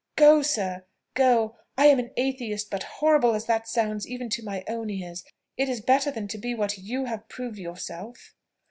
Go, sir, go I am an Atheist; but horrible as that sounds even to my own ears, it is better than to be what you have proved yourself."